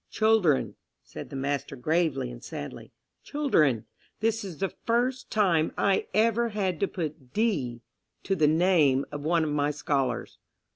"Children," said the master gravely and sadly, "children, this is the first time I ever had to put 'D' to the name of one of my scholars.